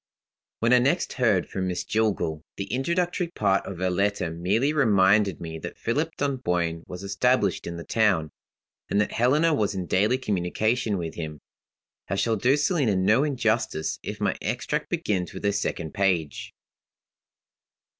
When I next heard from Miss Jillgall, the introductory part of her letter merely reminded me that Philip Dunboyne was established in the town, and that Helena was in daily communication with him. I shall do Selina no injustice if my extract begins with her second page.